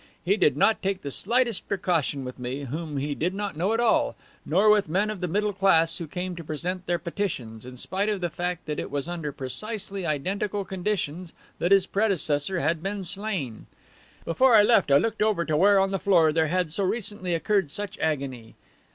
He did not take the slightest precaution with me, whom he did not know at all, nor with men of the middle class who came to present their petitions, in spite of the fact that it was under precisely identical conditions that his predecessor had been slain. Before I left I looked over to where on the floor there had so recently occurred such agony.